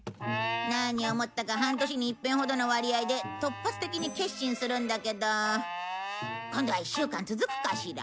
何を思ったか半年にいっぺんほどの割合で突発的に決心するんだけど今度は一週間続くかしら。